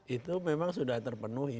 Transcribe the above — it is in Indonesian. itu memang sudah terpenuhi